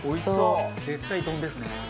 絶対丼ですね。